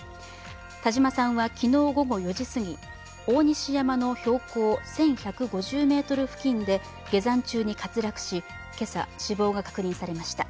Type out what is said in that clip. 田島さんは昨日午後４時すぎ、大西山の標高１１５０ｍ付近で下山中に滑落し今朝、死亡が確認されました。